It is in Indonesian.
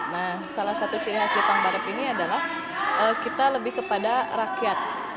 nah salah satu ciri khas jepang barat ini adalah kita lebih kepada rakyat